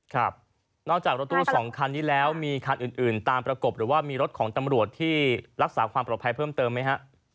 ครับนอกจากรถตู้๒คันนี้แล้วมีคันอื่นตามประกบหรือว่ามีรถของตำรวจที่รักษาความปลอดภัยเพิ่มเติมไหมฮะ